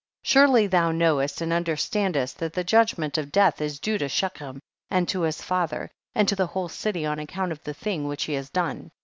22. Surely thou knowest and an derstandest that the judgment of death is due to Shechem, and to his father, and to the whole city on ac count of the thing which he has done.